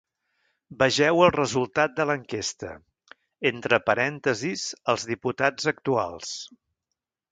Vegeu el resultat de l’enquesta; entre parèntesis, els diputats actuals.